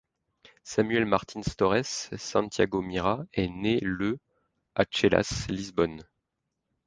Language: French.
Samuel Martins Torres Santiago Mira est né le à Chelas, Lisbonne.